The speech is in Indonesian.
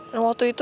yang waktu itu